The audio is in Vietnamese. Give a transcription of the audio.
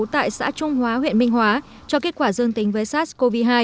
tại xã trung hóa huyện minh hóa cho kết quả dương tính với sars cov hai